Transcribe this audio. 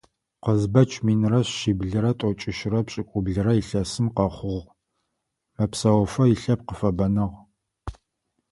Къызбэч минрэ шъиблрэ тӀокӀищырэ пшӀыкӀублырэ илъэсым къэхъугъ, мэпсэуфэ илъэпкъ фэбэнагъ.